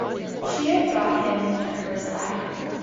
She had brought him to her side.